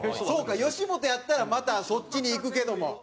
そうか吉本やったらまたそっちにいくけども。